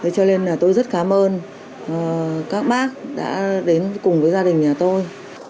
cho nên là tôi rất cảm ơn các bác đã đến cùng với gia đình nhà tôi